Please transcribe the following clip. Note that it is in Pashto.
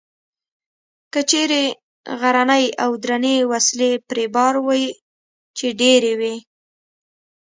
کچرې غرنۍ او درنې وسلې پرې بار وې، چې ډېرې وې.